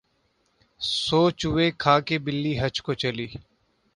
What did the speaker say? سو چوہے کھا کے بلی حج کو چلی